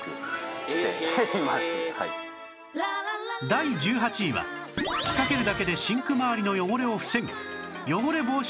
第１８位は吹きかけるだけでシンクまわりの汚れを防ぐ